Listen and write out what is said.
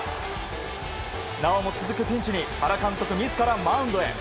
なおも続くピンチに原監督自らマウンドへ。